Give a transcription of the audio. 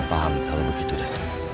saya paham kalau begitu datuk